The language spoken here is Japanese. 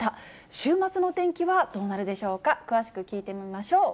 週末のお天気はどうなるでしょうか、詳しく聞いてみましょう。